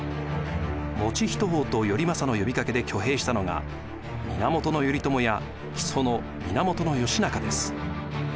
以仁王と頼政の呼びかけで挙兵したのが源頼朝や木曽の源義仲です。